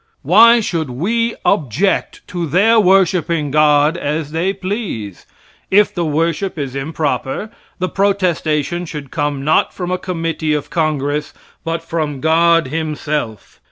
Why should we object to their worshiping God as they please? If the worship is improper, the protestation should come not from a committee of congress, but from God himself.